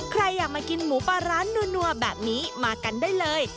ใครอยากมากินหมูปลาร้านนัวแบบนี้มากันได้เลย